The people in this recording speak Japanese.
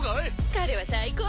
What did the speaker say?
彼は最高。